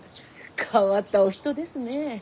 変わったお人ですね。